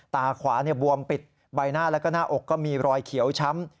ตาขวาบวมปิดใบหน้าแล้วก็หน้าอกก็มีรอยเขียวช้ำ